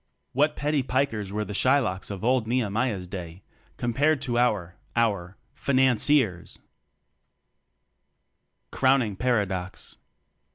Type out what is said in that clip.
What petty "Pikers" were the Shy locks of old Nehemiah's day compared to our ... our ... "Financiers"^. Crowning Paradox.